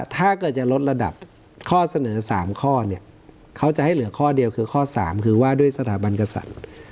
แต่ข้อเสนอ๓ข้อเนี่ยเขาจะให้เหลือข้อเดียวคือข้อ๓คือว่าด้วยสถาบันกษัตริย์